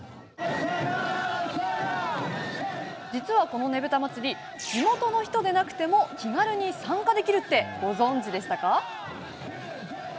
実は、このねぶた祭地元の人でなくても気軽に参加できるってご存じでしたか？